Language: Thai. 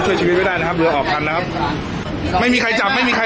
คือมาหาคนที่โกงใช่ไหมครับ